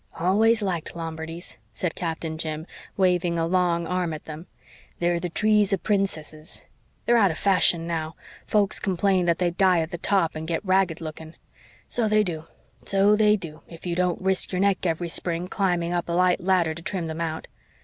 "Always liked Lombardies," said Captain Jim, waving a long arm at them. "They're the trees of princesses. They're out of fashion now. Folks complain that they die at the top and get ragged looking. So they do so they do, if you don't risk your neck every spring climbing up a light ladder to trim them out.